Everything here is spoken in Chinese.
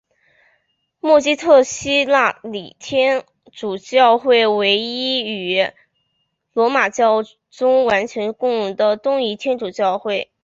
默基特希腊礼天主教会为一与罗马教宗完全共融的东仪天主教教会。